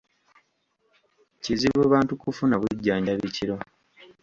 Kizibu bantu kufuna bujjanjabi kiro.